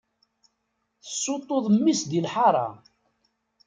Tessuṭṭuḍ mmi-s di lḥaṛa.